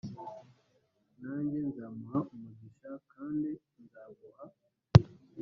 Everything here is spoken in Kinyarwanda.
nanjye nzamuha umugisha kandi nzaguha